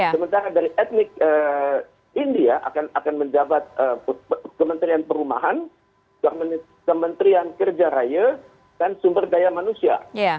sementara dari etnik india akan menjabat kementerian perumahan kementerian kerja raya dan sumber daya manusia